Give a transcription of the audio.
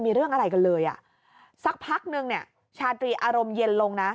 มีเรื่องอะไรกันเลยอ่ะสักพักนึงเนี่ยชาตรีอารมณ์เย็นลงนะ